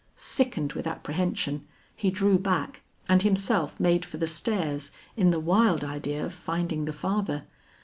Sickened with apprehension, he drew back and himself made for the stairs in the wild idea of finding the father.